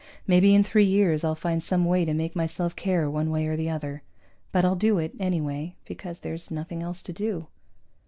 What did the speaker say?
Maybe in three years I'll find some way to make myself care one way or the other. But I'll do it, anyway, because there's nothing else to do.